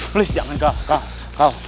please jangan kak kak